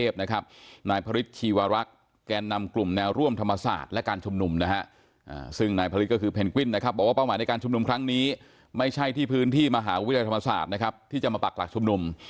บ้านเมืองผู้เดียว